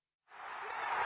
つながった！